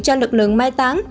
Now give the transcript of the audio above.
cho lực lượng mai tán